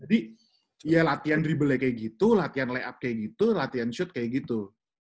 jadi ya latihan dribble nya kayak gitu latihan layup kayak gitu latihan shoot kayak gitu